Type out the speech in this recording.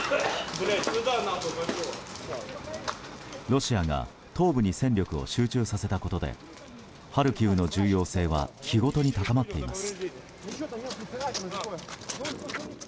ロシアが東部に戦力を集中させたことでハルキウの重要性は日ごとに高まっています。